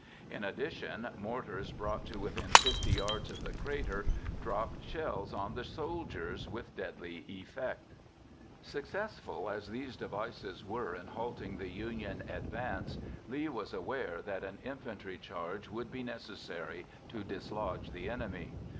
In addition, mortars brought to within 50 yards of the crater dropped shells on the soldiers with deadly effect. Successful as these devices were in halting the Union advance, Lee was aware that an infantry charge would be necessary to dislodge the enemy.